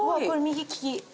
これ右利き。